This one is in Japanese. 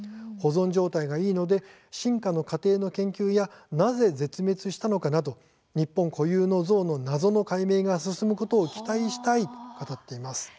保存状態がいいので進化の過程の研究やなぜ絶滅したのかなど日本固有のゾウの謎の解明が進むことに期待したいと言っています。